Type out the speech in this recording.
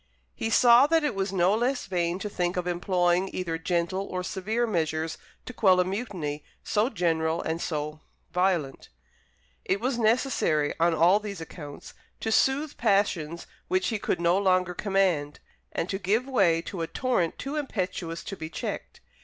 He saw that it was no less vain to think of employing either gentle or severe measures to quell a mutiny so general and so violent. It was necessary, on all these accounts, to soothe passions which he could no longer command, and to give way to a torrent too impetuous to be checked.